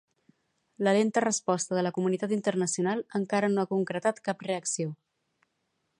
La lenta resposta de la comunitat internacional encara no ha concretat cap reacció.